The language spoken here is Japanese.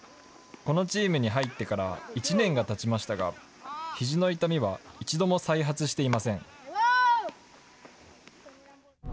このチームに入ってから１年がたちましたが、ひじの痛みは一度も再発していません。